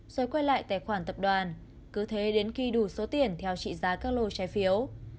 rồi quay lại tài khoản tập đoàn cứ thế đến khi đủ số tiền theo trị giá các lô trái phiếu